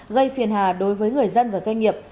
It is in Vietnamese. gây phiền hà đối với người dân và doanh nghiệp